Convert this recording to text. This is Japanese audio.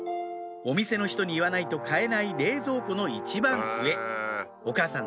お店の人に言わないと買えない冷蔵庫の一番上お母さん